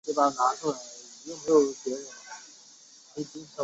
不过施华本人立刻澄清并无此事。